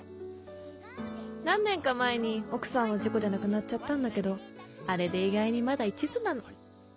何年か前に奥さんは事故で亡くなっちゃったんだけどあれで意外にまだ一途なの。